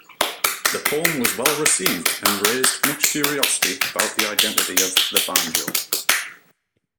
The poem was well-received and raised much curiosity about the identity of "The Banjo".